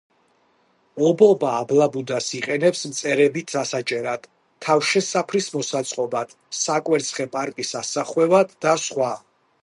ობობა აბლაბუდას იყენებს მწერების დასაჭერად, თავშესაფრის მოსაწყობად, საკვერცხე პარკის ასახვევად და სხვა.